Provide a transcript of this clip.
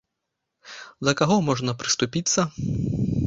Да каго можна прыступіцца?